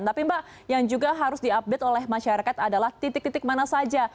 tapi mbak yang juga harus diupdate oleh masyarakat adalah titik titik mana saja